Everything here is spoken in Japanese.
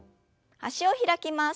脚を開きます。